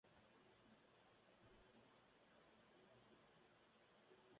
Se encuentran entre los esqueletos más antiguos de homínidos descubiertos hasta ahora en Japón.